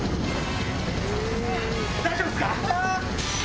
大丈夫っすか？